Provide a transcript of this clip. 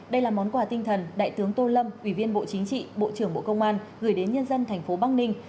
đây là món quà tinh thần đại tướng tô lâm ủy viên bộ chính trị bộ trưởng bộ công an gửi đến nhân dân thành phố bắc ninh